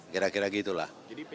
kira kira gitu lah